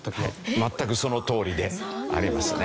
全くそのとおりでありますね。